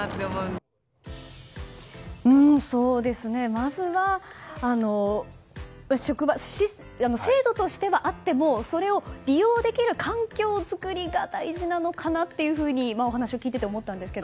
まずは制度としてはあってもそれを利用できる環境作りが大事なのかなと今お話を聞いて思ったんですが。